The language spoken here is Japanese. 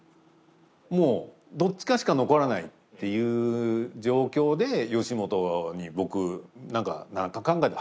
もうどっちかしか残らないっていう状況で吉本に僕何かかんかで入ることになって。